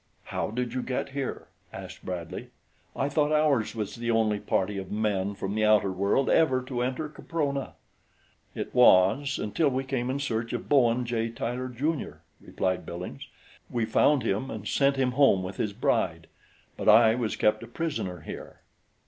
"How did you get here?" asked Bradley. "I thought ours was the only party of men from the outer world ever to enter Caprona." "It was, until we came in search of Bowen J. Tyler, Jr.," replied Billings. "We found him and sent him home with his bride; but I was kept a prisoner here."